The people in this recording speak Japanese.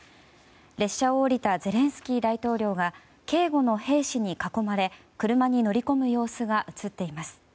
列車を降りたゼレンスキー大統領が警護の兵士に囲まれ車に乗り込む様子が映っています。